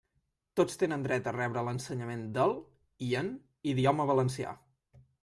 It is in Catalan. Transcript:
Tots tenen dret a rebre l'ensenyament del, i en, idioma valencià.